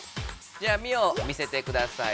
じゃあミオ見せてください。